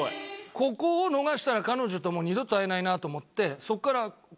ここを逃したら彼女ともう二度と会えないなと思って。